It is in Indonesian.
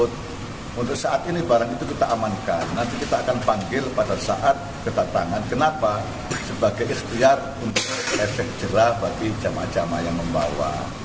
dikirimkan ke kota pasuruan kabupaten gresik dan juga kabupaten gresik